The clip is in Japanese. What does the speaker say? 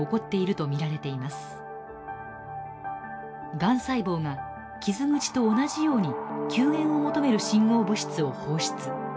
がん細胞が傷口と同じように救援を求める信号物質を放出。